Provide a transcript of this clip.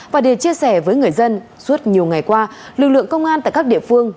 và để chia sẻ với người dân suốt nhiều ngày qua lực lượng công an tại các địa phương